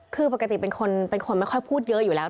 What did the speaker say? คือปกติเป็นคนไม่ค่อยพูดเยอะอยู่แล้ว